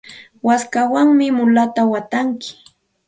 waskawanmi mulata watantsik.